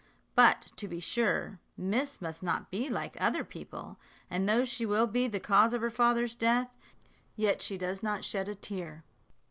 But, to be sure, miss must not be like other people; and though she will be the cause of her father's death, yet she does not shed a tear."